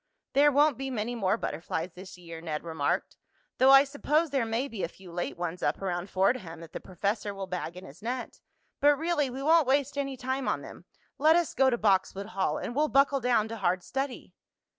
"There won't be many more butterflies this year," Ned remarked. "Though I suppose there may be a few late ones up around Fordham that the professor will bag in his net. But, really, we won't waste any time on them. Let us go to Boxwood Hall, and we'll buckle down to hard study."